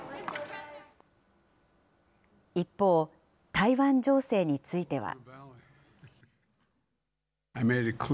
一方、台湾情勢については。